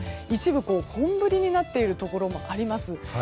一部、本降りになっているところもあります。